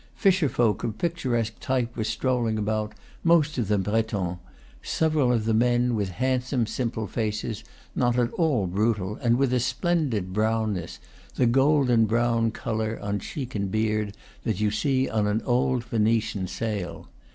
Fisher folk of pictuesque type were strolling about, most of them Bretons; several of the men with handsome, simple faces, not at all brutal, and with a splendid brownness, the golden brown color, on cheek and beard, that you see on an old Venetian sail.